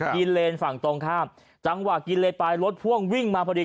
เลนฝั่งตรงข้ามจังหวะกินเลนไปรถพ่วงวิ่งมาพอดี